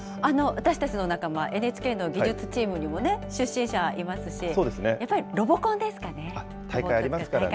私たちの仲間、ＮＨＫの技術チームにもね、出身者いますし、やっぱりロボコンですかね。ありますよね。